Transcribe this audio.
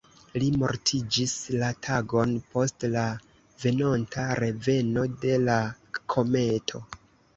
Li mortiĝis la tagon post la venonta reveno de la kometo.